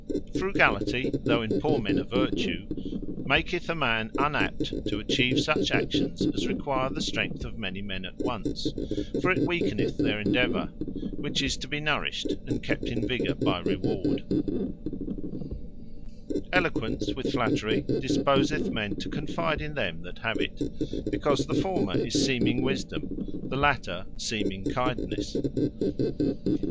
Frugality,(though in poor men a Vertue,) maketh a man unapt to atchieve such actions, as require the strength of many men at once: For it weakeneth their Endeavour, which is to be nourished and kept in vigor by Reward. Confidence In Others From Ignorance Of The Marks Of Wisdome and Kindnesse Eloquence, with flattery, disposeth men to confide in them that have it; because the former is seeming Wisdome, the later seeming Kindnesse.